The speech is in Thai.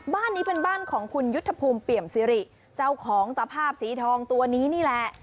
บ้านนี้เป็นบ้านของคุณยุทธภูมิเปี่ยมซิริเจ้าของตะภาพสีทองตัวนี้นี่แหละ